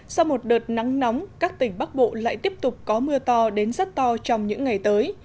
sau một đợt nắng nóng các tỉnh bắc bộ lại tiếp tục có mưa to đến rất to trong những ngày tới